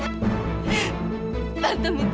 kamu tidak mau sembunyi